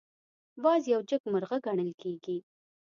باز یو جګمرغه ګڼل کېږي